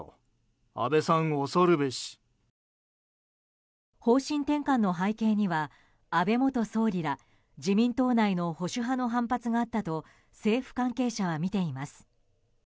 方針転換の背景には安倍元総理ら自民党内の保守派の反発があったと政府関係者はみています。